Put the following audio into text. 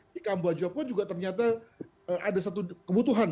di kamboja pun juga ternyata ada satu kebutuhan